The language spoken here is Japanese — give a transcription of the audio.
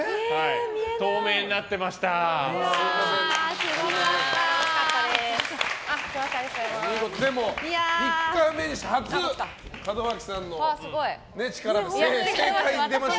透明になってました。